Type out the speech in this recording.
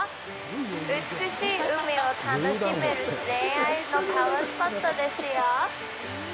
美しい海を楽しめる恋愛のパワースポットですよ。